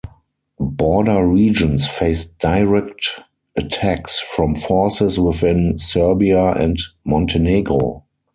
Border regions faced direct attacks from forces within Serbia and Montenegro.